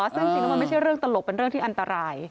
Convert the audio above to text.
ซึ่งจริงแล้วมันไม่ใช่เรื่องตลกเป็นเรื่องที่อันตราย